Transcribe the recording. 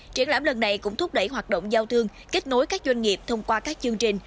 triển lãm lần này cũng thúc đẩy hoạt động giao thương kết nối các doanh nghiệp thông qua các chương trình